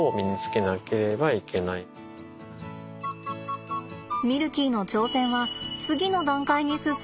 ミルキーの挑戦は次の段階に進んだというわけね。